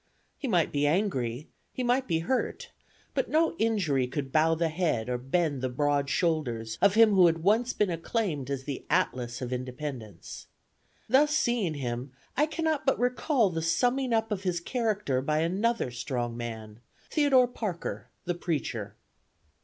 He might be angry, he might be hurt; but no injury could bow the head, or bend the broad shoulders, of him who had once been acclaimed as the Atlas of Independence. Thus seeing him, I cannot but recall the summing up of his character by another strong man, Theodore Parker, the preacher.